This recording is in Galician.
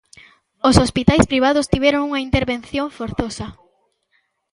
Os hospitais privados tiveron unha intervención forzosa.